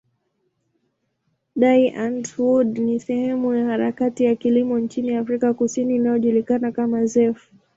Die Antwoord ni sehemu ya harakati ya kilimo nchini Afrika Kusini inayojulikana kama zef.